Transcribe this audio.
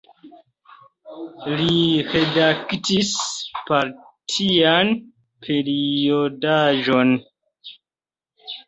Li redaktis partian periodaĵon.